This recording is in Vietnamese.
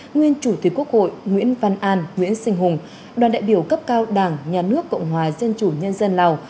nguyên chủ tịch quốc hội nguyễn văn an nguyễn sinh hùng đoàn đại biểu cấp cao đảng nhà nước cộng hòa dân chủ nhân dân lào